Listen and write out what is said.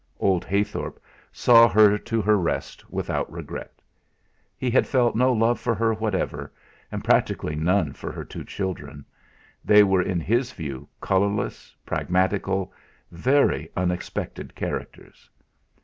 Old Heythorp saw her to her rest without regret. He had felt no love for her whatever, and practically none for her two children they were in his view colourless, pragmatical, very unexpected characters.